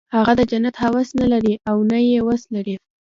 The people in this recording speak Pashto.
هغه د جنت هوس نه لري او نه یې وس لري